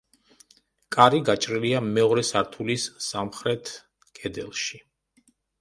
კარი გაჭრილია მეორე სართულის სამხრეთ კედელში.